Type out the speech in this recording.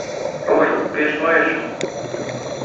Ой, пеш нойышым.